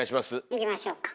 いきましょうか。